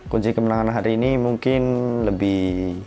kunci kemenangan hari ini mungkin lebih